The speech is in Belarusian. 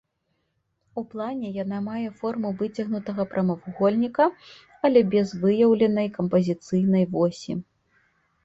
У плане яна мае форму выцягнутага прамавугольніка, але без выяўленай кампазіцыйнай восі.